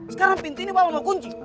sekarang pintu ini bapak mau kunci